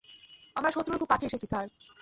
আমরা শত্রুর খুব কাছে এসেছি, স্যার।